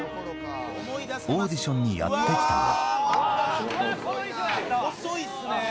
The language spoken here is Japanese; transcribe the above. オーディションにやって来たのは。